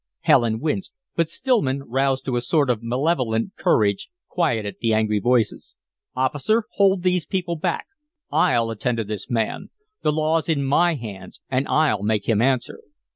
Helen winced, but Stillman, roused to a sort of malevolent courage, quieted the angry voices. "Officer, hold these people back. I'll attend to this man. The law's in my hands and I'll make him answer."